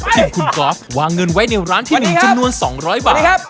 ทีมคุณกอล์ฟวางเงินไว้ในร้านที่๑จำนวน๒๐๐บาท